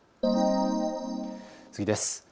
次です。